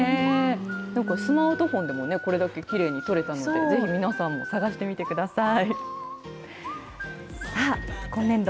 なんかスマートフォンでもね、これだけきれいに撮れたので、ぜひ、皆さんも探してみてください。